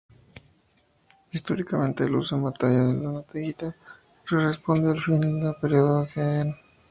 Históricamente el uso en batalla de la naginata corresponde al fin del período Heian.